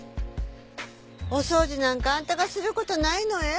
お掃除なんかあんたがする事ないのえ。